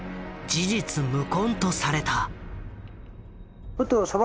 事実無根とされた。